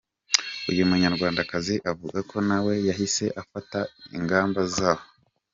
Uyu Munyarwandakazi avuga ko nawe yahise afata ingamba zo.